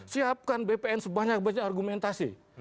siapkan bpn sebanyak banyak argumentasi